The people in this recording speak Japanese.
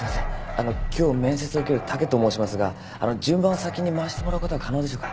あの今日面接を受ける武と申しますがあの順番を先に回してもらうことは可能でしょうか。